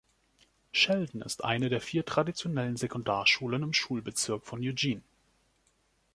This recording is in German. Sheldon ist eine der vier traditionellen Sekundarschulen im Schulbezirk von Eugene.